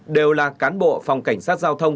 đều là cán bộ phòng cảnh sát giao thông